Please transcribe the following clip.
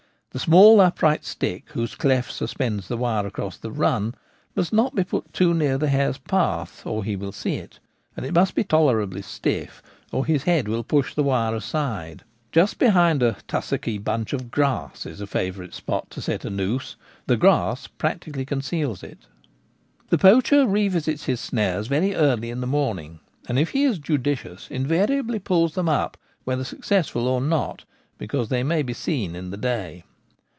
The small upright stick whose cleft suspends the wire across the .'run ' must not be put too near the hare's path, or he will see it, and it must be tolerably stiff, or his head will push the wire aside. Just behind a * tussocky ' bunch of grass is a favourite spot to set a noose ; the grass partially conceals it. The poacher revisits his snares very early in the morning, and if he is judicious invariably pulls them up, whether successful or not, because they may be seen in the day.